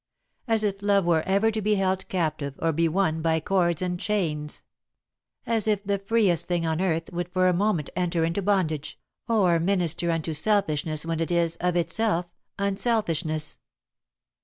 As if love were ever to be held captive, or be won by cords and chains! As if the freest thing on earth would for a moment enter into bondage, or minister unto selfishness when it is, of itself, unselfishness!